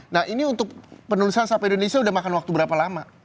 nah ini untuk penulisan sampai di indonesia udah makan waktu berapa lama